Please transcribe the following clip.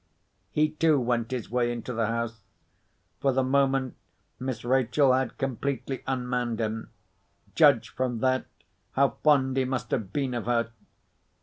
He too went his way into the house. For the moment, Miss Rachel had completely unmanned him. Judge from that, how fond he must have been of her!